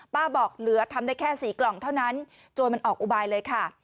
บอกเหลือทำได้แค่๔กล่องเท่านั้นโจรมันออกอุบายเลยค่ะ